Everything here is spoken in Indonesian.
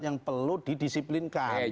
yang perlu didisiplinkan